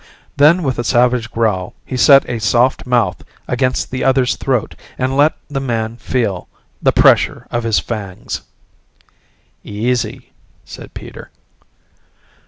Then with a savage growl he set a soft mouth against the other's throat and let the man feel the pressure of his fangs. "Easy," said Peter.